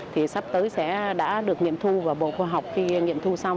thì sắp tới sẽ đã được nghiệm thu vào bộ khoa học khi nghiệm thu xong